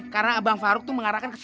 karena abang faruq tuh mengarahkan ke sana